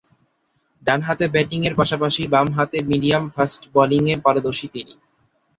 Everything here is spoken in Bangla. ডানহাতে ব্যাটিংয়ের পাশাপাশি বামহাতে মিডিয়াম-ফাস্ট বোলিংয়ে পারদর্শী তিনি।